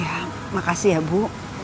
ya makasih ya bu